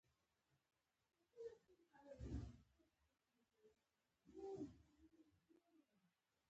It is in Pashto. مصنوعي ځیرکتیا د ټولنیزو اړیکو جوړښت بدلوي.